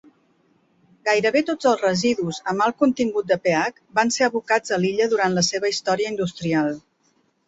Gairebé tots els residus amb alt contingut de PH van ser abocats a l'illa durant la seva història industrial.